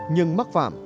nhưng mắc vạm